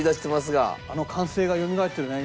あの歓声がよみがえってるね